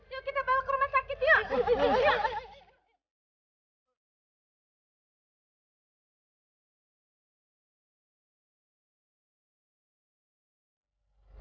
yuk kita bawa ke rumah sakit yuk